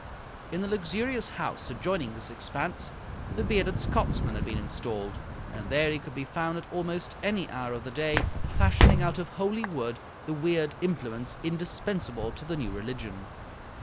In a luxurious house adjoining this expanse the bearded Scotsman had been installed, and there he could be found at almost any hour of the day fashioning out of holy wood the weird implements indispensable to the new religion.